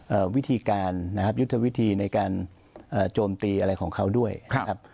วิธีการนะครับยุทธวิธีในการเอ่อโจมตีอะไรของเขาด้วยครับ